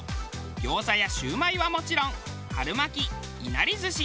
餃子や焼売はもちろん春巻きいなり寿司